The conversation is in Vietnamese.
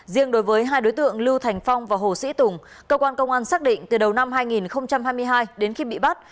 riêng đối với hai đối tượng lưu thành phong và hồ sĩ tùng cơ quan công an xác định từ đầu năm hai nghìn hai mươi hai đến khi bị bắt